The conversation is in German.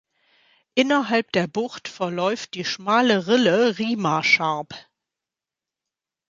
Innerhalb der Bucht verläuft die schmale Rille Rima Sharp.